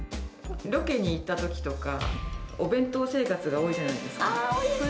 ロケに行ったときとか、お弁当生活が多いじゃないですか。